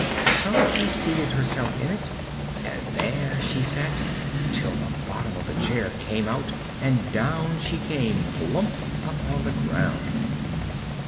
So she seated herself in it, and there she sat till the bottom of the chair came out, and down she came plump upon the ground.